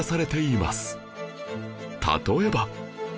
例えば